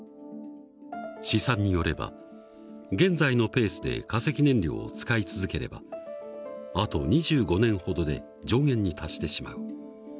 試算によれば現在のペースで化石燃料を使い続ければあと２５年ほどで上限に達してしまう。